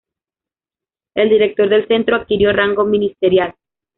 El director del centro adquirió rango ministerial.